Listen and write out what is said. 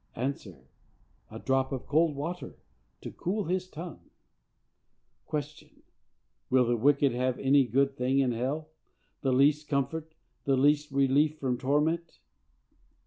—A. A drop of cold water to cool his tongue. Q. Will the wicked have any good thing in hell? the least comfort? the least relief from torment?